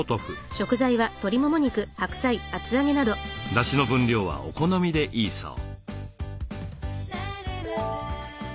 だしの分量はお好みでいいそう。